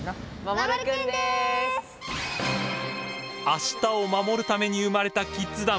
明日をまもるために生まれたキッズ団